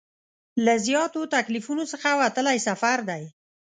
له زیاتو تکلیفونو څخه وتلی سفر دی.